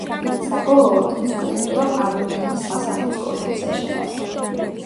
საბოლოოოდ კი სკულპტურა ბარბერინის სასახლის კოლექციაში დარჩა.